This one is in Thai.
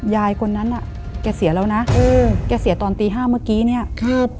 คนนั้นน่ะแกเสียแล้วนะเออแกเสียตอนตีห้าเมื่อกี้เนี้ยครับ